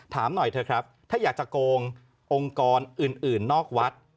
ถามหน่อยเถอะครับถ้าอยากจะโกงองค์กรอื่นนอกวัด